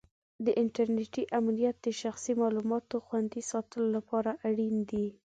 انټرنېټي امنیت د شخصي معلوماتو خوندي ساتلو لپاره اړین دی.